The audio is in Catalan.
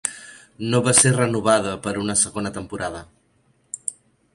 No va ser renovada per a una segona temporada.